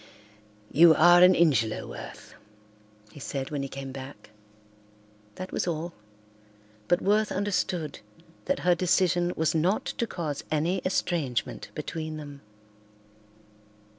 "You are an Ingelow, Worth," he said when he came back. That was all, but Worth understood that her decision was not to cause any estrangement between them.